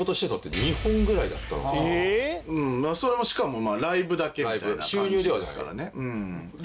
それもしかもライブだけみたいな感じですからね。